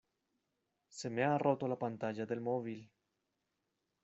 Se me ha roto la pantalla del móvil.